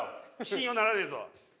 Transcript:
信用ならねえぞ。